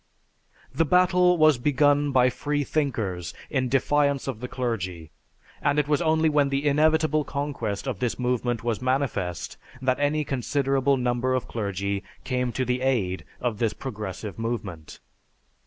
The battle was begun by freethinkers in defiance of the clergy and it was only when the inevitable conquest of this movement was manifest that any considerable number of clergy came to the aid of this progressive movement.